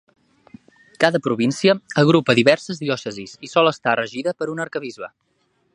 Cada província agrupa diverses diòcesis i sol estar regida per un arquebisbe.